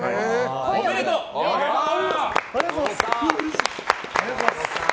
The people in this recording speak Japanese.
ありがとうございます！